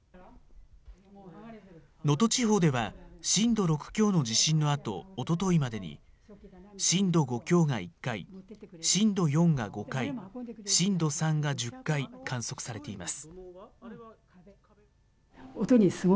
能登地方では、震度６強の地震のあと、おとといまでに、震度５強が１回、震度４が５回、震度３が１０回観測されています。